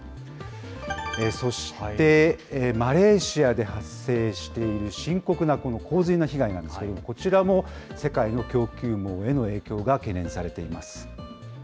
そしてマレーシアで発生している深刻なこの洪水被害なんですけれども、こちらも世界の供給網への影響が懸念されています。